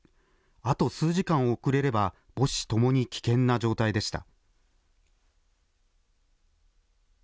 あと数時間遅れれば、母子ともに危険な状態でした。